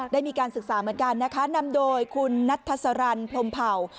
ได้มีการศึกษาเหมือนกันนะคะนำโดยคุณนัทสรรพรมเผ่า